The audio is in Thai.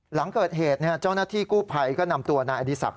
หลังเกิดเหตุเจ้าหน้าที่กู้ภัยก็นำตัวนายอดีศักดิ